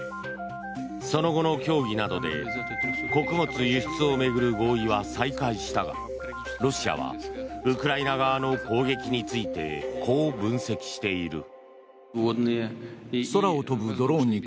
その後の協議などで穀物輸出を巡る合意は再開したがロシアはウクライナ側の攻撃についてこう分析している。